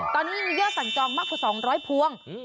ตอนนี้มียอดสั่งจองมากกว่า๒๐๐พวง